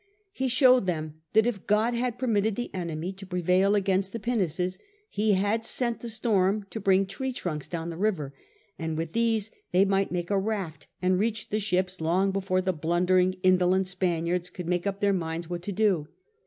He showed them that if God had permitted the enemy to prevail against the pinnaces. He had sent the storm to bring tree trunks down the river; with these they might make a raft and reach the ships long before the blundering indolent Spaniards could make up their minds what to do.